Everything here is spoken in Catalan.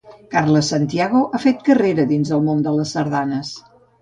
Carles Santiago ha fet carrera dins del món de les sardanes.